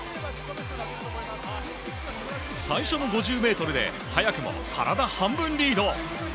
最初の５０ｍで早くも体半分リード。